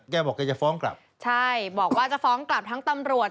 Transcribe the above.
บอกแกจะฟ้องกลับใช่บอกว่าจะฟ้องกลับทั้งตำรวจ